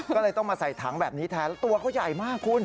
ก็เลยต้องมาใส่ถังแบบนี้แทนแล้วตัวเขาใหญ่มากคุณ